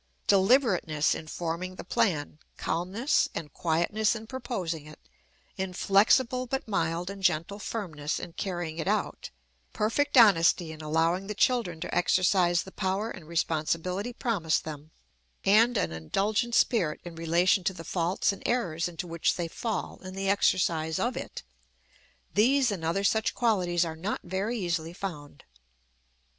Deliberateness in forming the plan, calmness and quietness in proposing it, inflexible but mild and gentle firmness in carrying it out, perfect honesty in allowing the children to exercise the power and responsibility promised them, and an indulgent spirit in relation to the faults and errors into which they fall in the exercise of it these and other such qualities are not very easily found.